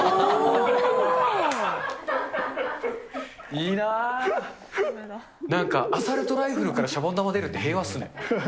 いいな、なんかアサルトライフルからシャボン玉出るって平和ですね。